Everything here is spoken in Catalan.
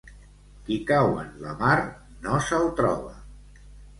Qui cau en la mar, no se'l troba.